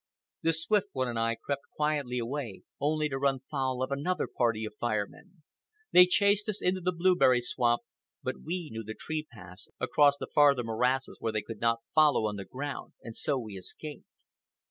The Swift One and I crept quietly away, only to run foul of another party of Fire Men. They chased us into the blueberry swamp, but we knew the tree paths across the farther morasses where they could not follow on the ground, and so we escaped.